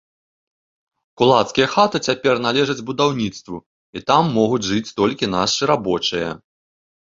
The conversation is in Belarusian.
Кулацкія хаты цяпер належаць будаўніцтву, і там могуць жыць толькі нашы рабочыя.